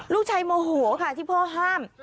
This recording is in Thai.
ลูกชายโมโหค่ะที่พ่อห้าม